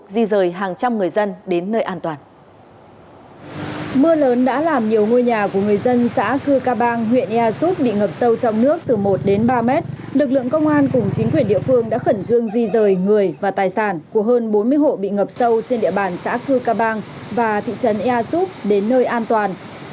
di rời hàng trăm người dân đến nơi an toàn